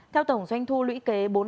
theo tổng doanh thu lũy kế bốn tháng